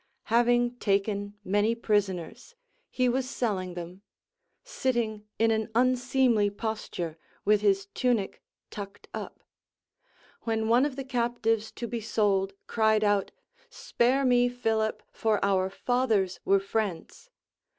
Having taken many prison ers, he was selling them, sitting in an unseemly posture, with his tunic tucked up ; when one of the captives to be sold cried out, Spare me, Philip, for our fathers were friends.